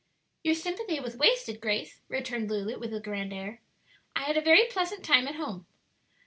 "Your sympathy was wasted, Grace," returned Lulu, with a grand air. "I had a very pleasant time at home."